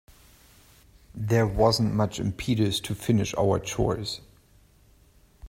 There wasn't much impetus to finish our chores.